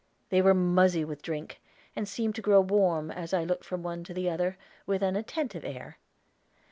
They were muzzy with drink, and seemed to grow warm, as I looked from one to the other, with an attentive air.